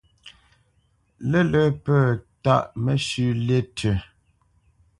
Lə̂lə̄ pə̂ tâʼ məshʉ̂ lí tʉ̂.